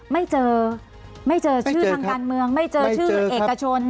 ไม่เจอไม่เจอชื่อทางการเมืองไม่เจอชื่อเอกชน